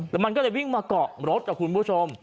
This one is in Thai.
แล้วมันก็เลยวิ่งมาเกาะรถกับคุณผู้ชม